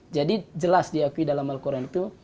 jadi jelas diakui dalam al quran itu